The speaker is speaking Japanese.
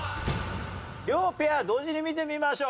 両ペア同時に見てみましょう。